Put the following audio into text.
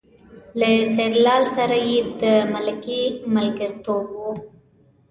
له سیدلال سره یې د ملکۍ ملګرتوب و.